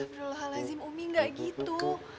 astagfirullahaladzim umi gak gitu